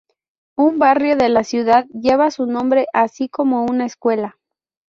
Un barrio de la ciudad lleva su nombre así como una escuela.